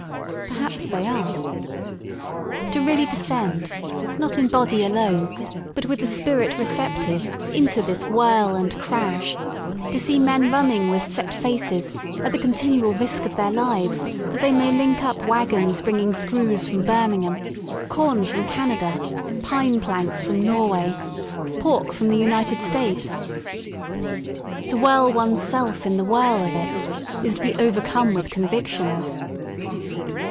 Perhaps they are* To really descend, not in body alone, but with the spirit receptive, into this whirl and crash, to see men running with set faces, at the continual risk of their lives, that they may link up wagons bringing screws from Birmingham, corn from Canada, pine planks from Norway, pork from the United States, to whirl oneself in the whirl of it, is to be overcome with convictions.